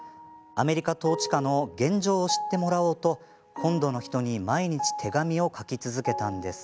アメリカ統治下の現状を知ってもらおうと本土の人に毎日、手紙を書き続けたのです。